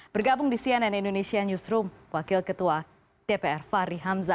bergabung di cnn indonesia newsroom wakil ketua dpr fahri hamzah